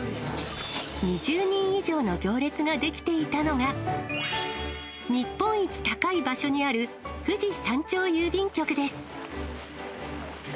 ２０人以上の行列が出来ていたのが、日本一高い場所にある富士山頂郵便局です。